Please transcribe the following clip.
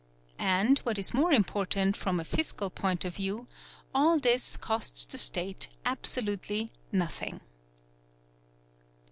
And, what is more important from a fiscal point of view, all his costs the State absolutely nothing.